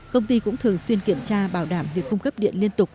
công ty cũng thường xuyên kiểm tra bảo đảm việc cung cấp điện liên tục